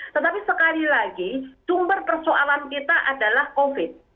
tetapi sekali lagi sumber persoalan kita adalah covid